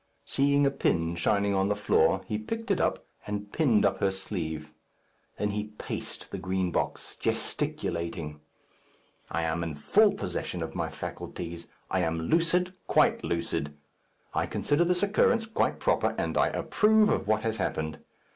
'" Seeing a pin shining on the floor, he picked it up and pinned up her sleeve. Then he paced the Green Box, gesticulating. "I am in full possession of my faculties. I am lucid, quite lucid. I consider this occurrence quite proper, and I approve of what has happened.